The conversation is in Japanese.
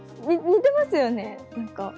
似てますよね、なんか。